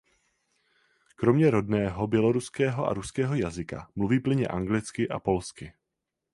Kromě rodného běloruského a ruského jazyka mluví plynně anglicky a polsky.